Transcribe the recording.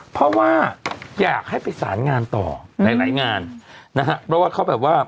เพราะว่าอยากให้ไปสารงานต่อหลายหลายงานนะฮะเพราะว่าเขาแบบว่า